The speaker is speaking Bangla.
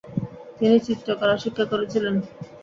তিনি চিত্রকলা শিক্ষা করেছিলেন।